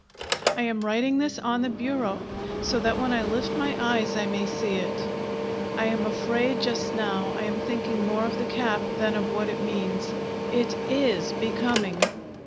I am writing this on the bureau, so that when I lift my eyes I may see It. I am afraid just now I am thinking more of the cap than of what it means. It IS becoming!